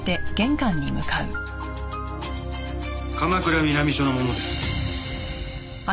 鎌倉南署の者です。